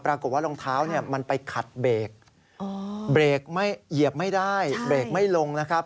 ปรากฏว่ารองเท้ามันไปขัดเบรกเบรกเหยียบไม่ได้เบรกไม่ลงนะครับ